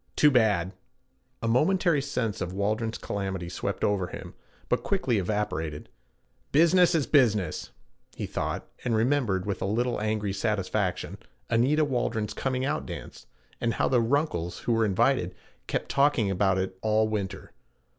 Too bad.' A momentary sense of Waldron's calamity swept over him, but quickly evaporated. 'Business is business,' he thought, and remembered, with a little angry satisfaction, Anita Waldron's coming out dance and how the Runkles, who were invited, kept talking about it all winter.